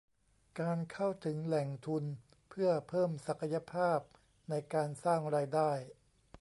การเข้าถึงแหล่งทุนเพื่อเพิ่มศักยภาพในการสร้างรายได้